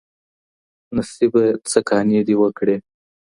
نصیبه څه کانې دې وکې